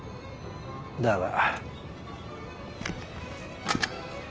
だが。